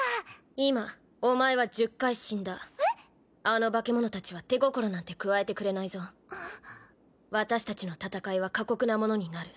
今お前は１０回死んあの化け物たちは手心なんてんっ私たちの戦いは過酷なものになる。